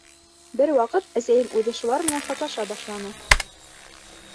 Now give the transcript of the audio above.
Бер ваҡыт әсәйем үҙе шулар менән хатлаша башланы.